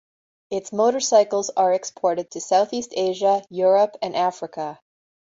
Its motorcycles are exported to Southeast Asia, Europe, and Africa.